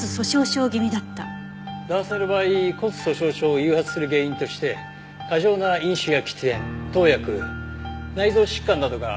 男性の場合骨粗鬆症を誘発する原因として過剰な飲酒や喫煙投薬内臓疾患などが挙げられますね。